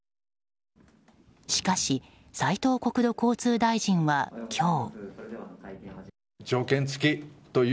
しかし斉藤国土交通大臣は今日。